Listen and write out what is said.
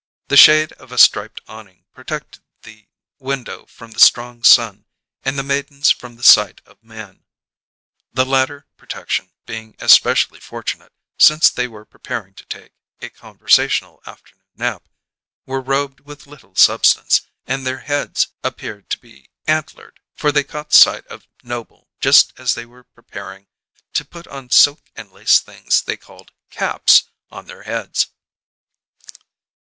The shade of a striped awning protected the window from the strong sun and the maidens from the sight of man the latter protection being especially fortunate, since they were preparing to take a conversational afternoon nap, were robed with little substance, and their heads appeared to be antlered; for they caught sight of Noble just as they were preparing to put silk and lace things they called "caps" on their heads.